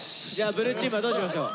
ブルーチームはどうしましょう。